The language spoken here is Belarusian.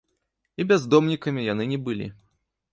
І бяздомнікамі яны не былі.